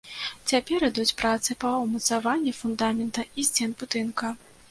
Цяпер ідуць працы па ўмацаванні фундамента і сцен будынка.